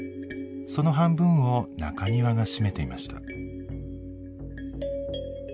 その半分を中庭が占めていました。